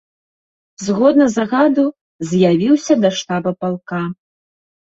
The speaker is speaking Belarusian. Згодна загаду, з'явіўся да штаба палка.